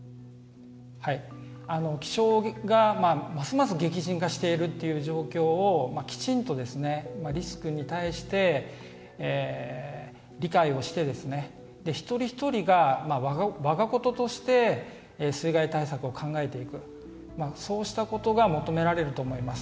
気象がますます激甚化している状況をきちんとリスクに対して理解をして一人一人がわがこととして水害対策を考えていくそうしたことが求められると思います。